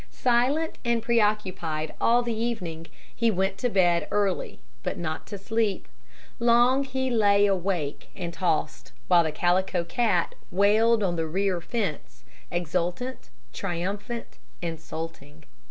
Silent and preoccupied all the evening, he went to bed early but not to sleep. Long he lay awake and tossed, while the Calico Cat wailed on the rear fence exultant, triumphant, insulting.